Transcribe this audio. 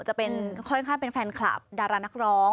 จะเป็นค่อนข้างเป็นแฟนคลับดารานักร้อง